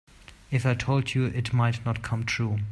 If I told you it might not come true.